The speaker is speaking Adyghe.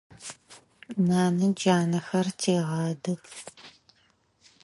Нанэ джанэхэр тегъэдых.